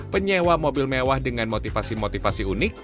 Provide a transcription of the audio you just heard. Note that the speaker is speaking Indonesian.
penyewa mobil mewah dengan motivasi motivasi unik